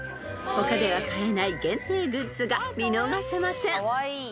］［他では買えない限定グッズが見逃せません］